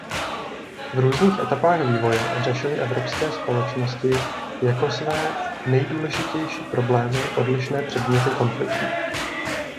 V různých etapách vývoje řešily evropské společností jako své nejdůležitější problémy odlišné předměty konfliktů.